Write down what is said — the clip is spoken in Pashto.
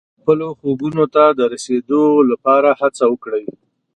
خپلو خوبونو ته د رسېدو لپاره هڅه وکړئ.